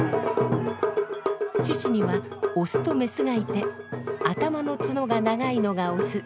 獅子にはオスとメスがいて頭の角が長いのがオス。